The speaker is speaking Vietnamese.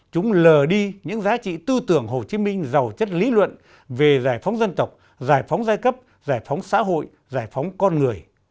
chúng lờ đi những giá trị tư tưởng hồ chí minh giàu chất lý luận về giải phóng dân tộc giải phóng giai cấp giải phóng xã hội giải phóng con người